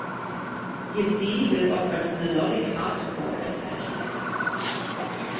Ihr Stil wird oft als Melodic Hardcore bezeichnet.